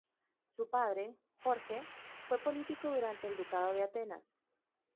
Su padre, Jorge, fue político durante el Ducado de Atenas.